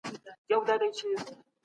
د هغوی د مشورې پرته ئې نکاحوي سوي وي.